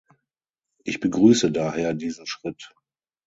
Ich begrüße daher diesen Schritt.